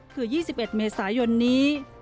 คือ๒๑เมษายนนี้